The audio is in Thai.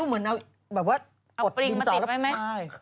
เหมือนเอาแบบว่าเอาปริงมาติดไหมใช่